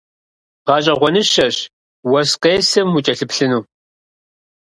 Гъэщӏэгъуэныщэщ уэс къесым укӏэлъыплъыну.